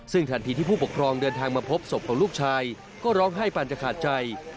ซึ่งทันทีที่ผู้ปกครองเดินทางมาพบศพของลูกชายก็ร้องไห้ปั่นจะขาดใจ